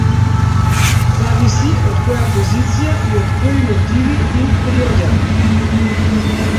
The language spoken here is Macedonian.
Зависи од која позиција и од кои мотиви им приоѓаме.